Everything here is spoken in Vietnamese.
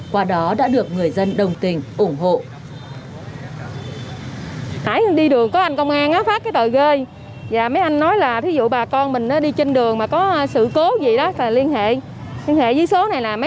qua đó đã được người dân đồng tình ủng hộ